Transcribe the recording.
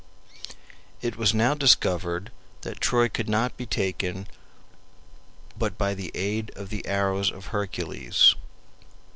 It was now discovered that Troy could not be taken but by the aid of the arrows of Hercules.